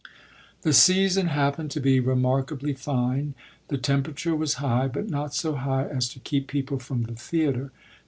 The season happened to be remarkably fine; the temperature was high, but not so high as to keep people from the theatre.